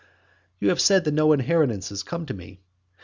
You have said that no inheritances come to me.